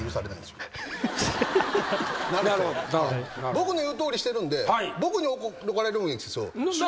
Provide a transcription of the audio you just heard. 僕の言うとおりしてるんで僕に怒られるのはいいです。